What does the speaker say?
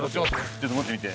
ちょっと持ってみて。